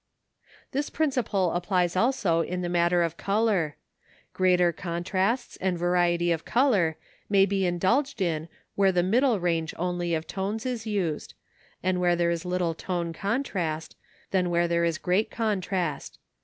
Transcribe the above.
This principle applies also in the matter of colour. Greater contrasts and variety of colour may be indulged in where the middle range only of tones is used, and where there is little tone contrast, than where there is great contrast.